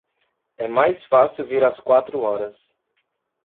É mais fácil vir às quatro horas.